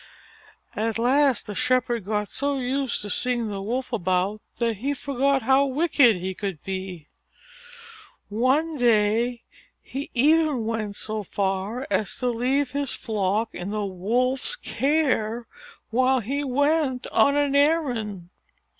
At last the Shepherd got so used to seeing the Wolf about that he forgot how wicked he could be. One day he even went so far as to leave his flock in the Wolf's care while he went on an errand.